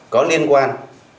có liên quan